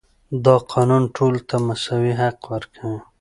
دا قانون ټولو ته مساوي حق ورکوي.